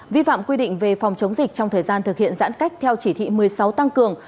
vi phạm quy định về phòng chống dịch trong thời gian thực hiện giãn cách theo chỉ thị một mươi sáu tăng cường